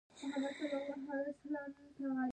د پټ خزانه ښخېدو ځای معلوم نه و.